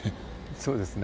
そうですね。